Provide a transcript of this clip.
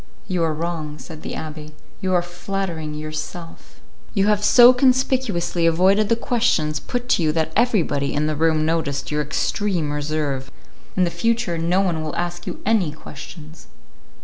"You are wrong," said the abbé, "you are flattering yourself. You have so conspicuously avoided the questions put to you that everybody in the room noticed your extreme reserve. In the future no one will ask you any questions."